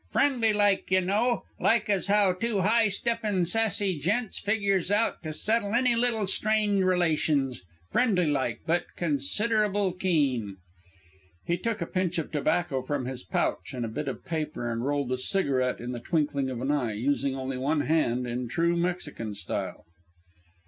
Friendly like, y'know like as how two high steppin', sassy gents figures out to settle any little strained relations friendly like but considerable keen." He took a pinch of tobacco from his pouch and a bit of paper and rolled a cigarette in the twinkling of an eye, using only one hand, in true Mexican style.